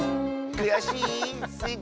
くやしい。